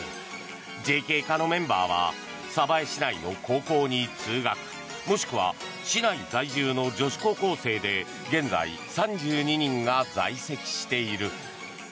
ＪＫ課のメンバーは鯖江市内の高校に通学もしくは市内在住の女子高校生で現在３２人が在籍している。